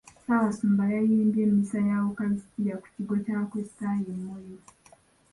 Ssaabasumba yayimbye mmisa ya wukalisitiya ku kigo ky'abakulisitaayo e Moyo.